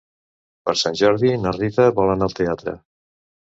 Per Sant Jordi na Rita vol anar al teatre.